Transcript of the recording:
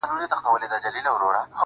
زه چي کور ته ورسمه هغه نه وي.